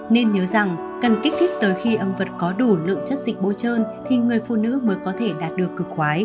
nên nhớ rằng cần kích thích tới khi âm vật có đủ lượng chất dịch bôi trơn thì người phụ nữ mới có thể đạt được cực khoái